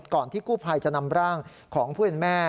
ที่กู้ภัยจะนำร่างของผู้เป็นแม่